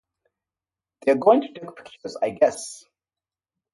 They're going to take the picture, I guess.